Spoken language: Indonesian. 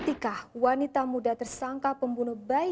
tikah wanita muda tersangka pembunuh bayi